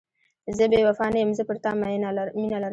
زه بې وفا نه یم، زه پر تا مینه لرم.